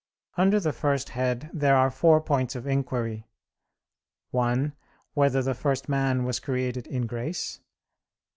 Under the first head there are four points of inquiry: (1) Whether the first man was created in grace?